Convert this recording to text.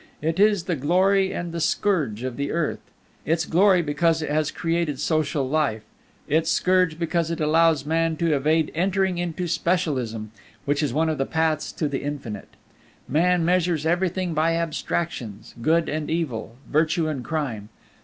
It is the glory and the scourge of the earth: its glory because it has created social life; its scourge because it allows man to evade entering into Specialism, which is one of the paths to the Infinite. Man measures everything by Abstractions: Good and Evil, Virtue and Crime.